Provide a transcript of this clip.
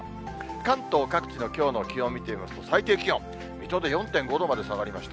関東各地のきょうの気温を見てみますと、最低気温、水戸で４．５度まで下がりました。